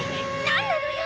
何なのよ！